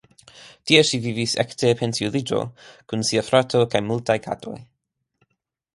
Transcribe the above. Tie ŝi vivis ekde pensiuliĝo kun sia fratino kaj multaj katoj.